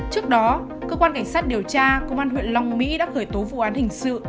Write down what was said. trước đó cơ quan cảnh sát điều tra công an huyện long mỹ đã khởi tố vụ án hình sự